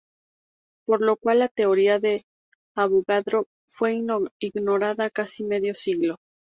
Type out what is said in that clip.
Por lo cual la teoría de Avogadro fue ignorada casi medio siglo.